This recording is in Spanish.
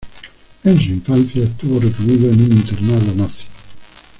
En su infancia, estuvo recluido en un internado nazi.